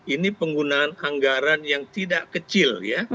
ini penggunaan anggaran yang tidak kecil ya